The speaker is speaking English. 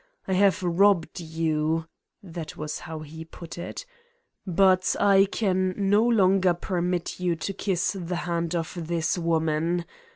I have robbed you (that was how he put it) but I can no longer permit you to kiss the hand of this woman.